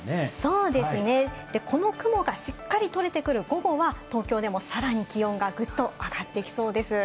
そうですね、この雲がしっかりとれてくる午後は東京でもさらに気温がぐっと上がってきそうです。